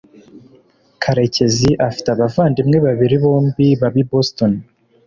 karekezi afite abavandimwe babiri bombi baba i boston